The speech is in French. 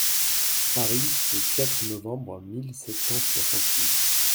Paris, le quatre novembre mille sept cent soixante-huit.